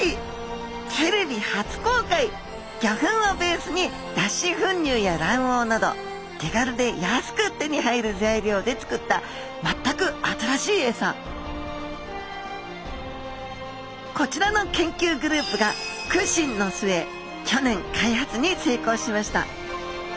テレビ初公開魚粉をベースに脱脂粉乳や卵黄など手軽で安く手に入る材料で作った全く新しいエサこちらの研究グループが苦心の末去年開発に成功しました。